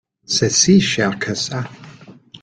C’est si cher que ça ?